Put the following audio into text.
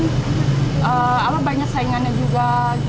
karena kan banyak saingannya juga